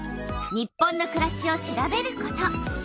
「日本のくらし」を調べること。